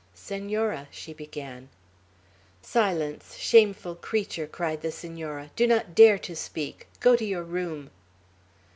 "Senora," she began. "Silence! Shameful creature!" cried the Senora. "Do not dare to speak! Go to your room!"